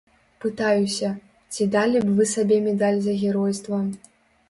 Пытаюся, ці далі б вы сабе медаль за геройства?